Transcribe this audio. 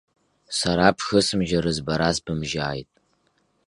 Сара бшысымжьарыз бара сбымжьааит.